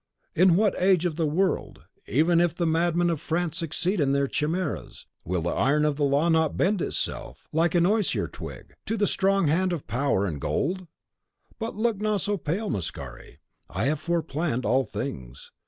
in what age of the world, even if the Madmen of France succeed in their chimeras, will the iron of law not bend itself, like an osier twig, to the strong hand of power and gold? But look not so pale, Mascari; I have foreplanned all things.